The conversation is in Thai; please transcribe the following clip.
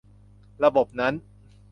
ระบบนั้น